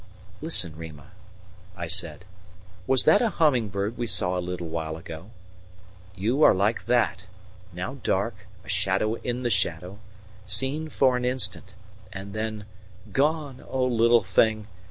"Listen, Rima," I said. "Was that a humming bird we saw a little while ago? You are like that, now dark, a shadow in the shadow, seen for an instant, and then gone, oh, little thing!